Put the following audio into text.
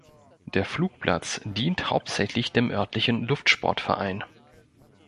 Der Flugplatz dient hauptsächlich dem örtlichen Luftsportverein.